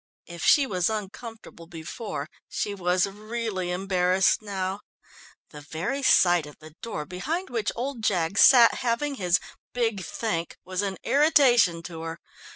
If she was uncomfortable before, she was really embarrassed now. The very sight of the door behind which old Jaggs sat having his "big think" was an irritation to her.